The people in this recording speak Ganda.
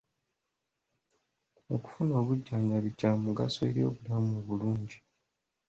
Okufuna obujjanjabi kya mugaso eri obulamu obulungi.